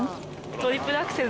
トリプルアクセル。